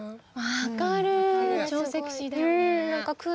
分かる。